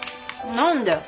何で？